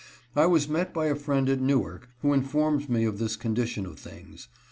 I was met by a friend at Newark, who informed me of this con dition of things.